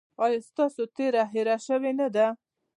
ایا ستاسو تیره هیره شوې نه ده؟